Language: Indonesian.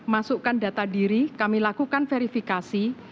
masukkan data diri kami lakukan verifikasi